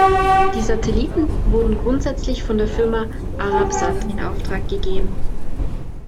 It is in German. Die Satelliten wurden grundsätzlich von der Firma Arabsat in Auftrag gegeben.